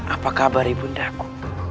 apa kabar ibu ndaku